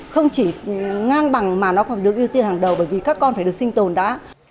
không chỉ ngang bằng mà nó còn được ưu tiên hàng đầu bởi vì các con phải được sinh tồn đã